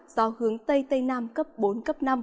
gió hướng tây tây nam cấp bốn năm